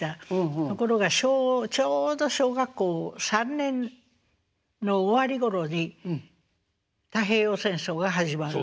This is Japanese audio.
ところがちょうど小学校３年の終わり頃に太平洋戦争が始まる。